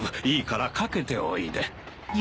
いいから掛けておいで。